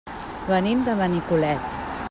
Venim de Benicolet.